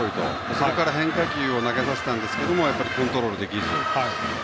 それから変化球を投げさせたんですがコントロールできず。